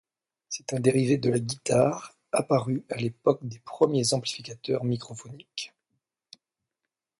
C'est un dérivé de la guitare apparu à l'époque des premiers amplificateurs microphoniques.